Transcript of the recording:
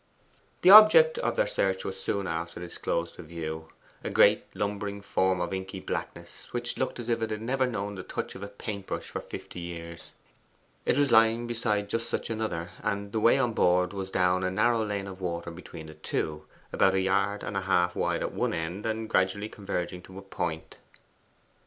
The object of their search was soon after disclosed to view a great lumbering form of inky blackness, which looked as if it had never known the touch of a paint brush for fifty years. It was lying beside just such another, and the way on board was down a narrow lane of water between the two, about a yard and a half wide at one end, and gradually converging to a point.